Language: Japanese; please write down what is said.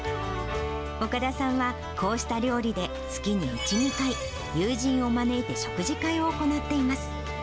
岡田さんはこうした料理で月に１、２回、友人を招いて食事会を行っています。